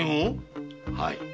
はい。